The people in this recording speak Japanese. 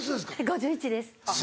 ５１です。